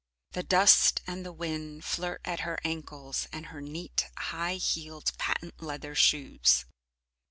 The dust and the wind flirt at her ankles and her neat, high heeled patent leather shoes.